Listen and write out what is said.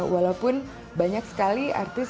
walaupun banyak sekali artis